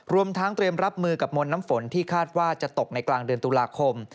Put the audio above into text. รวมทั้งเตรียมรับมือกับมวลน้ำฝนที่คาดว่าจะตกในกลางเดือนตุลาคม